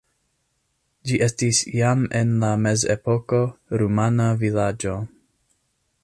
Ĝi estis jam en la mezepoko rumana vilaĝo.